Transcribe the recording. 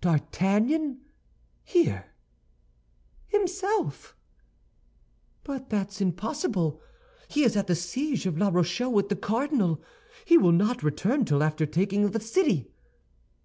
D'Artagnan here?" "Himself!" "But that's impossible! He is at the siege of La Rochelle with the cardinal. He will not return till after the taking of the city."